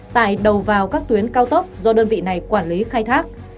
tại đầu vào các tuyến cao tốc do đơn vị này quản lý khai thác